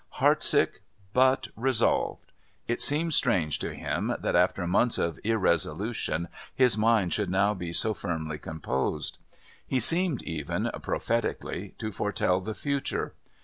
Heart sick but resolved, it seemed strange to him that after months of irresolution his mind should now be so firmly composed. He seemed even, prophetically, to foretell the future.